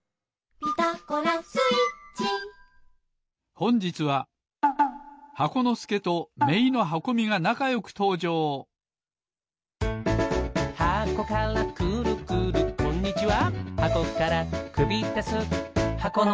ほんじつは箱のすけとめいのはこみがなかよくとうじょうこんにちは。